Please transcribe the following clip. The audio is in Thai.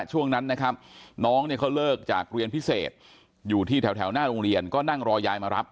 ช่วงนั้นนะครับน้องเนี่ยเขาเลิกจากเรียนพิเศษอยู่ที่แถวหน้าโรงเรียนก็นั่งรอยายมารับ